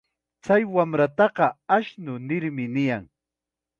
Chay wamrataqa ashnu nirmi niyan.